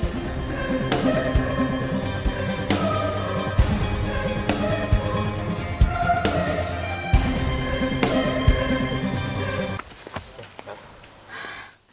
tidak ada yang bisa diberikan